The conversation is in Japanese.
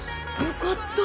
よかった。